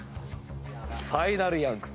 ファイナルヤング。